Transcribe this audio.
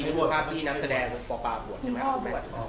อันนี้คือภาพที่แค่พอบัวครับ